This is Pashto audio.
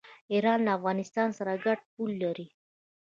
ایران له افغانستان سره ګډه پوله لري.